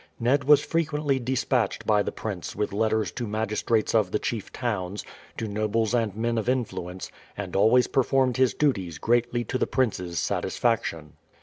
Ned was frequently despatched by the prince with letters to magistrates of the chief towns, to nobles and men of influence, and always performed his duties greatly to the prince's satisfaction.